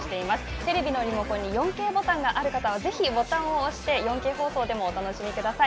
テレビのリモコンに４Ｋボタンがある方はぜひボタンを押して４Ｋ放送でもお楽しみください。